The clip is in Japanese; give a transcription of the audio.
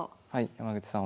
山口さん